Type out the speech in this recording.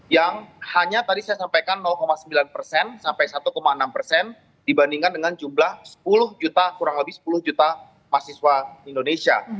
yang hanya tadi saya sampaikan sembilan persen sampai satu enam persen dibandingkan dengan jumlah sepuluh juta kurang lebih sepuluh juta mahasiswa indonesia